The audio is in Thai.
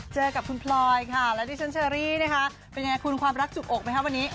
เจอกับคุณพลอยค่ะแล้วดิฉันเชอรี่นะคะเป็นยังไงคุณความรักจุกอกไหมคะวันนี้